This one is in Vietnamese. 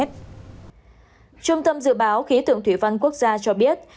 trung tâm dự báo khí tượng thủy văn quốc gia cho biết